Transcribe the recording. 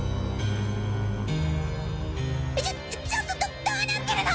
ちょちょっとどどうなってるの！？